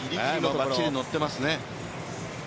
ばっちりのってますね。